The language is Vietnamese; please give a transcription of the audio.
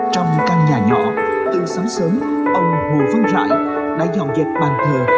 trong căn nhà nhỏ từ sáng sớm ông hồ văn rãi đã dọn dẹp bàn thờ